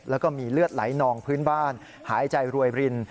แล้วก็มีเลือดไหลนองพื้นบ้านหายใจรวยริน